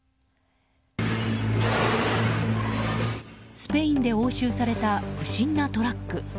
スペインで押収された不審なトラック。